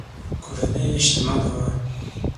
کورنۍ یې شتمنه وه.